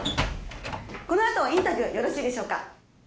このあとインタビューよろしいでしょうか？